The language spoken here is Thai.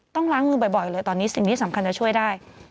ต้องล้างมือบ่อยเลยตอนนี้สิ่งที่สำคัญจะช่วยได้